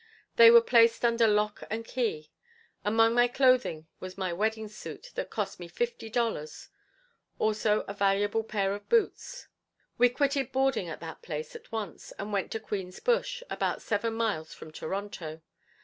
They were placed under lock and key. Among my clothing was my wedding suit that cost me fifty dollars, also a valuable pair of boots. We quitted boarding at that place at once and went to Queen's Bush, about seven miles from Toronto.